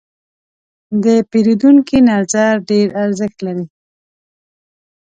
د پیرودونکي نظر ډېر ارزښت لري.